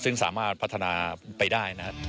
ซึ่งสามารถพัฒนาไปได้นะครับ